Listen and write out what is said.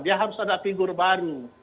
dia harus ada figur baru